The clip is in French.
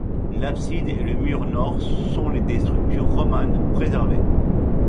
L'abside et le mur nord sont des structures romanes préservées.